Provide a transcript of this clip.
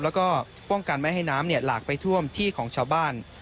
แล้วก็ป้องกันไม่ให้น้ำหลากไปท่วมที่ของชาวบ้าน